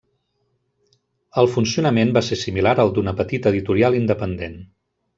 El funcionament va ser similar al d'una petita editorial independent.